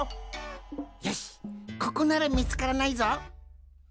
よしここならみつからないぞ。